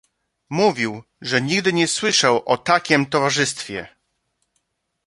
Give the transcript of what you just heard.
"Mówił, że nigdy nie słyszał o takiem towarzystwie."